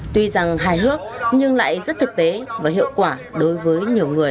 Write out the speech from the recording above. tuy rằng hài hước nhưng lại rất thực tế và hiệu quả đối với nhiều người